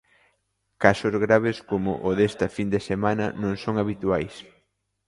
Casos graves coma o desta fin de semanas non son habituais.